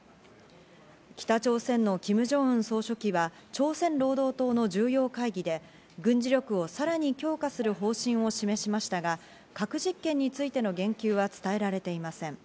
北朝鮮のキム・ジョンウン総書記は朝鮮労働党の重要会議で軍事力をさらに強化する方針を示しましたが、核実験についての言及は伝えられていません。